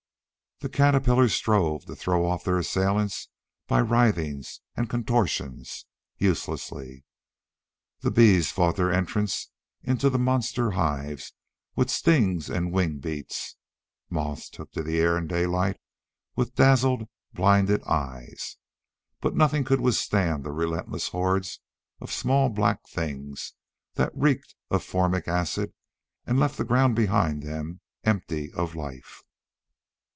The caterpillars strove to throw off their assailants by writhings and contortions uselessly. The bees fought their entrance into the monster hives with stings and wing beats. Moths took to the air in daylight with dazzled, blinded eyes. But nothing could withstand the relentless hordes of small black things that reeked of formic acid and left the ground behind them empty of life.